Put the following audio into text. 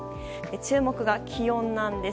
注目が気温なんです。